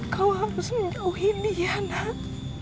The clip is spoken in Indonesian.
kau harus menjauhi dia nak